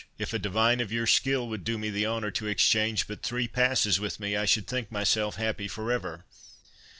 If a divine of your skill would do me the honour to exchange but three passes with me, I should think myself happy for ever."